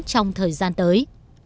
trong thời gian tới